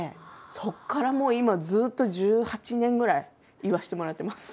そこからもう今ずっと１８年ぐらい言わせてもらってます。